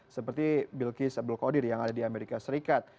seperti bilqis abdel qadir yang ada di amerika serikat